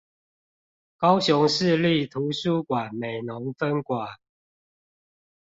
高雄市立圖書館美濃分館